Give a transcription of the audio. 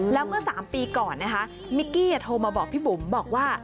แล้วเมื่อ๓ปีก่อนนะคะมิกกี้โทรมาบอกพี่บุ๋มบอกว่า